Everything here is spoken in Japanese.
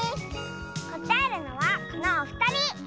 こたえるのはこのおふたり！